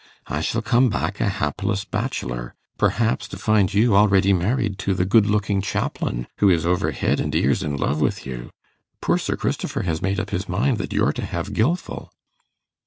I shall come back a hapless bachelor perhaps to find you already married to the good looking chaplain, who is over head and ears in love with you. Poor Sir Christopher has made up his mind that you're to have Gilfil.